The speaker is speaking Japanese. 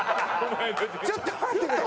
ちょっと待ってくれ。